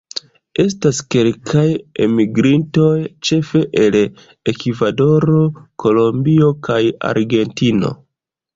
Estas kelkaj enmigrintoj, ĉefe el Ekvadoro, Kolombio kaj Argentino.